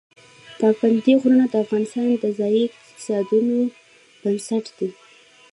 پابندی غرونه د افغانستان د ځایي اقتصادونو بنسټ دی.